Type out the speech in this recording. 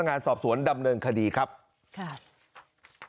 เขาเล่าบอกว่าเขากับเพื่อนเนี่ยที่เรียนปลูกแดงใช่ไหม